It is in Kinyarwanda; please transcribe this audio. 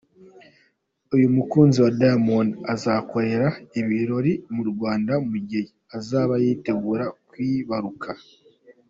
Uyu mukunzi wa Diamond azakorera ibirori mu Rwanda mu gihe azaba yitegura kwibaruka.